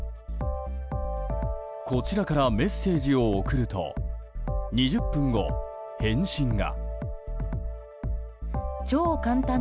こちらからメッセージを送ると２０分後、返信が。